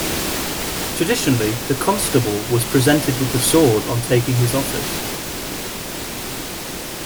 Traditionally, the constable was presented with the sword on taking his office.